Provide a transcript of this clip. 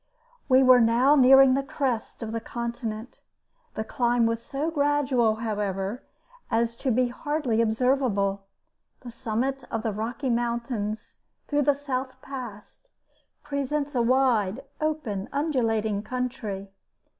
We were now nearing the crest of the continent. The climb was so gradual, however, as to be hardly observable. The summit of the Rocky Mountains, through the South Pass, presents a wide, open, undulating country.